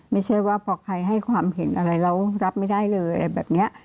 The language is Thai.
ไม่ใช่ว่าพอใครให้ความเห็นอะไรแล้วรับไม่ได้เลยอะไรแบบนี้